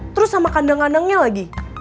terus sama kandang kandangnya lagi